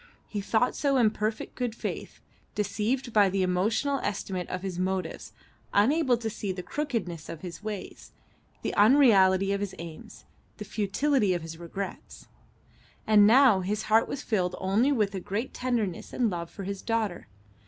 He thought so in perfect good faith, deceived by the emotional estimate of his motives, unable to see the crookedness of his ways, the unreality of his aims, the futility of his regrets. And now his heart was filled only with a great tenderness and love for his daughter.